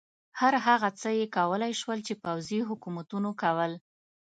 هر هغه څه یې کولای شول چې پوځي حکومتونو کول.